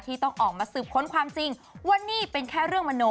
ต้องออกมาสืบค้นความจริงว่านี่เป็นแค่เรื่องมโน